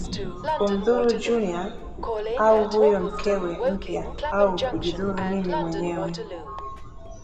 kumdhuru Junior au huyo mkewe mpya au kujidhuru mimi mwenyewe